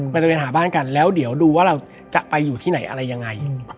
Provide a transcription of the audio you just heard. ตะเวนหาบ้านกันแล้วเดี๋ยวดูว่าเราจะไปอยู่ที่ไหนอะไรยังไง